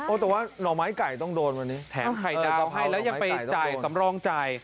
แต่ว่าหน่อไม้ไก่ต้องโดนวันนี้แถมไข่ดาวให้แล้วยังไปจ่ายสำรองจ่าย